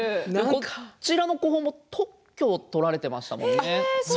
こちらの工法も特許を取られていましたものね。